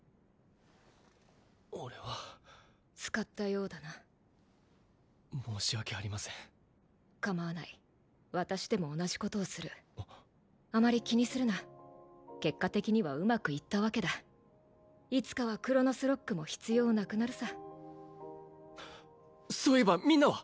俺は使ったようだな申し訳ありませんかまわない私でも同じことをするあまり気にするな結果的にはうまくいったわけだいつかはクロノスロックも必要なくなるさそういえばみんなは？